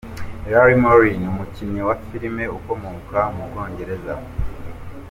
Larry Martyn, umukinnyi wa filime ukomoka mu Bwongereza.